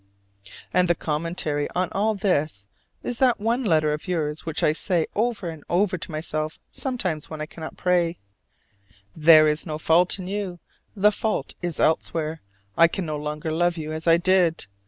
And the commentary on all this is that one letter of yours which I say over and over to myself sometimes when I cannot pray: "There is no fault in you: the fault is elsewhere; I can no longer love you as I did.